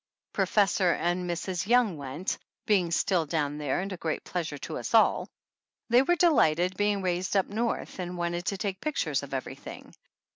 Professor and Mrs. Young went, being still down there and a great pleasure to us all. They were delighted, being raised up North, and wanted to take pictures of every thing.